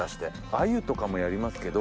アユとかもやりますけど